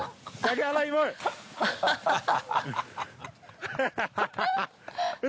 ハハハハ！